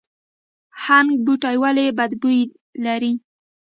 هنګ بوټی ولې بد بوی لري؟